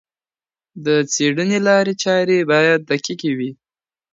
د څېړني لارې چارې باید دقیقې وي.